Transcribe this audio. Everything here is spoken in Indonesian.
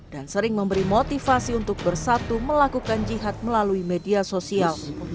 dan sering memberi motivasi untuk bersatu melakukan jihad melalui media sosial